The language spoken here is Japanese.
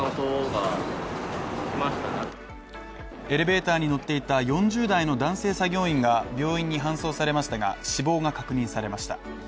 エレベーターに乗っていた４０代の男性作業員が病院に搬送されましたが死亡が確認されました。